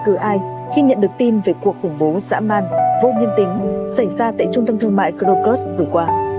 từ ai khi nhận được tin về cuộc khủng bố dã man vô nhân tính xảy ra tại trung tâm thương mại krokus vừa qua